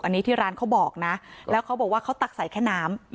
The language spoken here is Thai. อันนี้ที่ร้านเขาบอกนะแล้วเขาบอกว่าเขาตักใส่แค่น้ำ